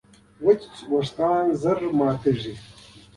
وچ وېښتيان ژر ماتېږي.